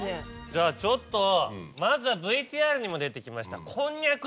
じゃあちょっとまずはＶＴＲにも出てきました。